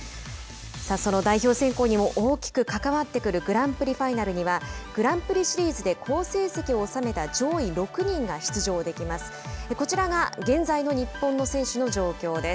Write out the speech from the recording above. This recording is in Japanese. その代表選考にも大きく関わってくるグランプリファイナルにはグランプリシリーズで好成績を収めた上位６人が出場できます。